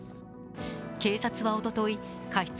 警察はおととい過失